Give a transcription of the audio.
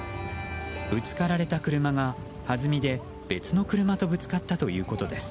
ぶつかられた車が、はずみで別の車とぶつかったということです。